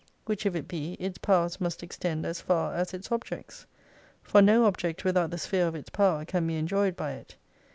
Which if it be, its powers must extend as far as its objects. For no object without the sphere of its power, can be enjoyed by it.